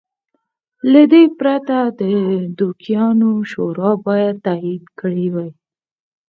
له دې پرته د دوکیانو شورا باید تایید کړی وای.